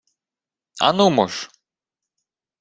— А нумо ж!